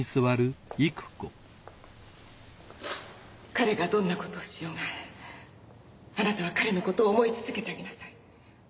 彼がどんなことをしようがあなたは彼のことを思い続けてあげなさい。